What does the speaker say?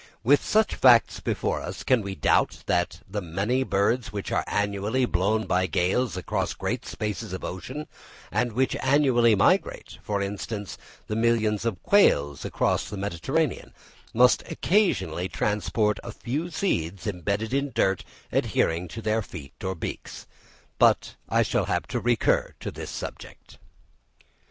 With such facts before us, can we doubt that the many birds which are annually blown by gales across great spaces of ocean, and which annually migrate—for instance, the millions of quails across the Mediterranean—must occasionally transport a few seeds embedded in dirt adhering to their feet or beaks? But I shall have to recur to this subject.